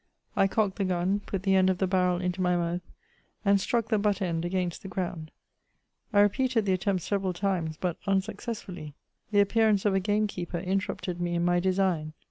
I cocked the gun, put the end of the barrel into my mouth, and struck the butt end against the ground ; I repeated the attempt several times, but unsuccessfully ; the appearance of a gamekeeper interrupted me in my design.